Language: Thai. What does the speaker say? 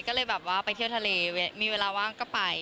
ก็เลยแบบว่าไปเที่ยวทะเลมีเวลาว่างก็ไป